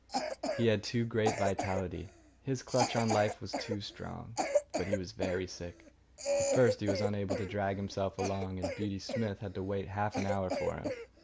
He had too great vitality. His clutch on life was too strong. But he was very sick. At first he was unable to drag himself along, and Beauty Smith had to wait half an hour for him.